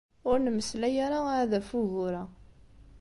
Ur nemmeslay ara ɛad ɣef wugur-a.